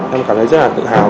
em cảm thấy rất là tự hào